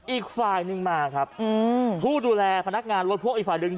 อีกฝ่ายหนึ่งมาครับผู้ดูแลพนักงานรถพ่วงอีกฝ่ายหนึ่ง